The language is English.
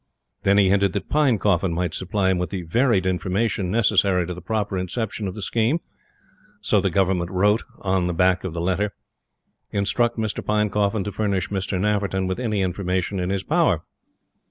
Then he hinted that Pinecoffin might supply him with the "varied information necessary to the proper inception of the scheme." So the Government wrote on the back of the letter: "Instruct Mr. Pinecoffin to furnish Mr. Nafferton with any information in his power."